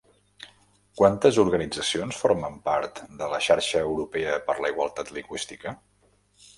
Quantes organitzacions formen part de la Xarxa Europea per la Igualtat Lingüística?